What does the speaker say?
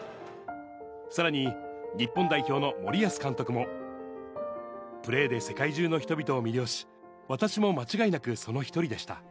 さらに日本代表の森保監督も、プレーで世界中の人々を魅了し、私も間違いなくその一人でした。